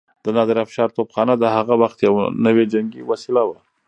د نادرافشار توپخانه د هغه وخت يو نوی جنګي وسيله وه.